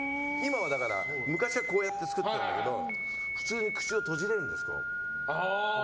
昔はこうやって作ってたんだけど今は普通に口を閉じれるんです。